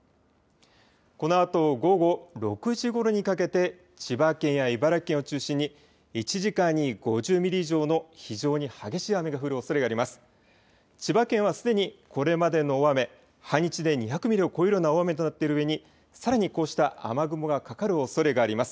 このあと午後６時ごろにかけて千葉県や茨城県を中心に１時間に５０ミリ以上の非常に激しい雨が降るおそれがあります。